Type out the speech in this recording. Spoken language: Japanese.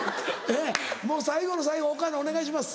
もう最後の最後岡野お願いします。